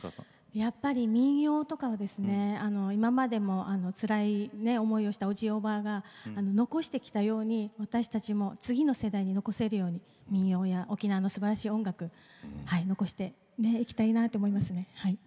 やっぱり民謡とか今までもつらい思いをしたおじい、おばあが残してきたように私たちも次の世代に残せるように民謡や沖縄のすばらしい音楽残していきたいなと思います。